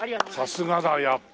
さすがだやっぱ。